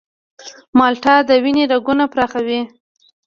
مالټه د وینې رګونه پراخوي.